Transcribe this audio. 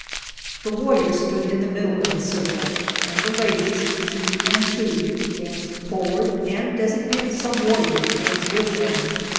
The warriors stood in the middle of the circle and the ladies, two aid two, danced forward and designated some warrior to dance with them.